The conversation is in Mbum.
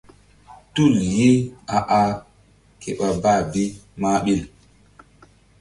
Tul ye a-ah ke ɓa bah bi mah ɓil.